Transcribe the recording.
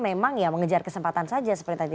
memang ya mengejar kesempatan saja seperti tadi